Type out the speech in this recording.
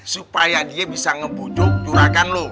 supaya dia bisa ngebujuk juragan lu